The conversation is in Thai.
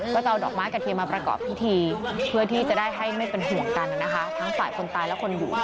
ก็จะเอาดอกไม้กระเทียมมาประกอบพิธีเพื่อที่จะได้ให้ไม่เป็นห่วงกันนะคะทั้งฝ่ายคนตายและคนอยู่